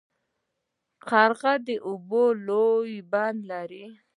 قرغه د اوبو لوی بند لري.